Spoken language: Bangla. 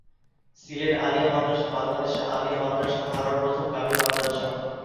সিলেট আলিয়া মাদ্রাসা বাংলাদেশের আলিয়া মাদ্রাসা ধারার প্রথম কামিল মাদ্রাসা।